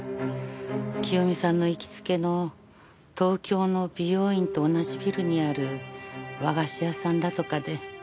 清美さんの行きつけの東京の美容院と同じビルにある和菓子屋さんだとかで。